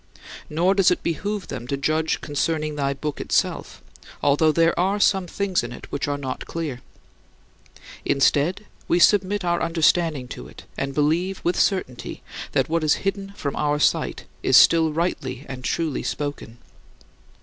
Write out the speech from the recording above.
Nor does it behoove them to judge concerning thy Book itself, although there are some things in it which are not clear. Instead, we submit our understanding to it and believe with certainty that what is hidden from our sight is still rightly and truly spoken.